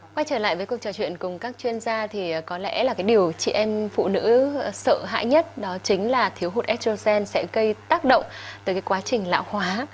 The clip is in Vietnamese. quay trở lại với cuộc trò chuyện cùng các chuyên gia thì có lẽ là cái điều chị em phụ nữ sợ hãi nhất đó chính là thiếu hụt estrosen sẽ gây tác động tới cái quá trình lão hóa